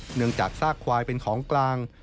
เนื่องจากซากควายเป็นของกลาง